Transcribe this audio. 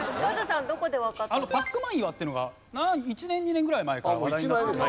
パックマン岩っていうのが１年２年ぐらい前から話題になってて。